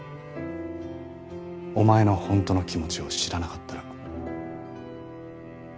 お前の本当の気持ちを知らなかったら。